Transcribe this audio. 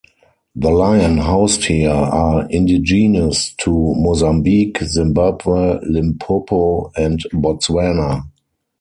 The lion housed here are indigenous to Mozambique, Zimbabwe, Limpopo, and Botswana.